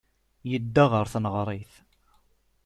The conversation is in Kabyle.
Yedda ɣer tneɣrit.